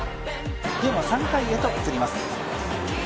ゲームは３回へと移ります。